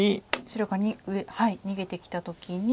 白が逃げてきた時に。